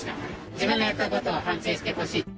自分がやったことを反省してほしい。